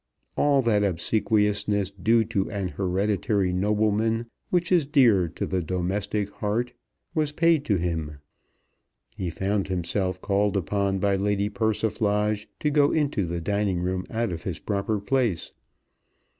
All that obsequiousness due to an hereditary nobleman, which is dear to the domestic heart, was paid to him. He found himself called upon by Lady Persiflage to go into the dining room out of his proper place.